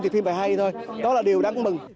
thì phim phải hay thôi đó là điều đáng mừng